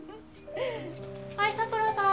はい佐倉さん。